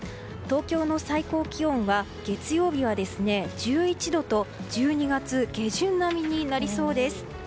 東京の最高気温は月曜日は１１度と１２月下旬並みになりそうです。